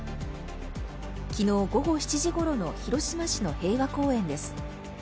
昨日午後７時ごろの広島市の平和公園です。